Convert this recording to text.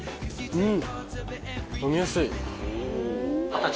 うん。